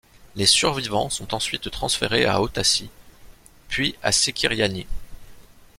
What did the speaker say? Les survivants sont ensuite transférés à Otaci puis à Sekiryany.